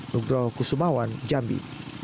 nugroh kusumawan jambi